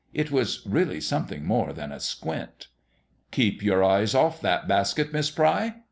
It was really something more than a squint. " Keep your eyes off that basket, Miss Pry !